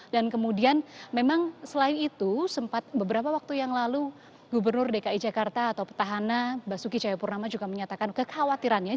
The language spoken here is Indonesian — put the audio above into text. dan kemudian memang selain itu sempat beberapa waktu yang lalu gubernur dki jakarta atau pertahana basuki chayapurnama juga menyatakan kekhawatirannya